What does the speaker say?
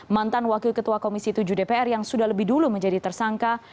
mantan wakil ketua komisi tujuh dpr yang sudah lebih dulu menjadi tersangka